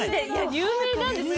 有名なんですって。